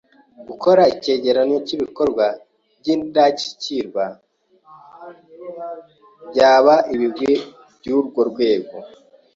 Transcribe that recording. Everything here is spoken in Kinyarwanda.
Gukora icyegeranyo cy’ibikorwa by’Indashyikirwa byaba ibigwi by’urwo rwego.